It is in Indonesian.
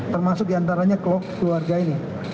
termasuk diantaranya keluarga ini